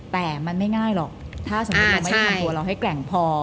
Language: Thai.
แต่มันไม่ง่ายหรอกถ้าสมมุติเราไม่ทำตัวเราให้แกร่งพอ